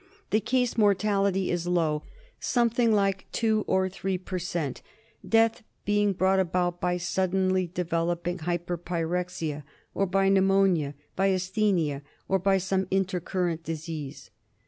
The case mortality is low, something like two or three per cent., death being brought about by suddenly developed hyperpyrexia, or by pneumonia, by asthenia, or by some intercurrent disease.